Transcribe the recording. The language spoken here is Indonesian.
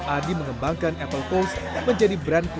adi mengembangkan apple coast menjadi brand clothing